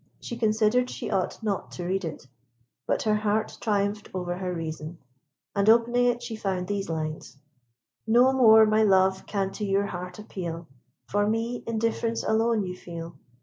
She considered she ought not to read it; but her heart triumphed over her reason, and opening it she found these lines: No more my love can to your heart appeal For me indifference alone you feel.